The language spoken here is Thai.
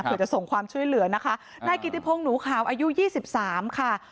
เผื่อจะส่งความช่วยเหลือนะคะนายกิติพงศ์หนูข่าวอายุ๒๓ค่ะ